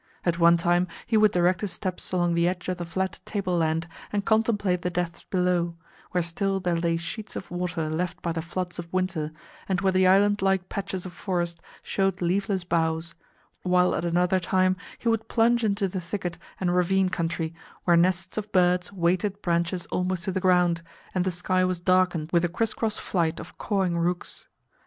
At one time he would direct his steps along the edge of the flat tableland, and contemplate the depths below, where still there lay sheets of water left by the floods of winter, and where the island like patches of forest showed leafless boughs; while at another time he would plunge into the thicket and ravine country, where nests of birds weighted branches almost to the ground, and the sky was darkened with the criss cross flight of cawing rooks.